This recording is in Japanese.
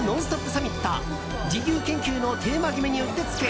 サミット自由研究のテーマ決めにうってつけ！